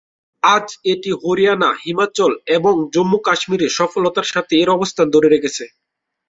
আজ এটি হরিয়ানা, হিমাচল এবং জম্মু কাশ্মীরে সফলতার সাথে এর অবস্থান ধরে রেখেছে।